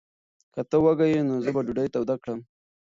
که ته وږی یې، نو زه به ډوډۍ توده کړم.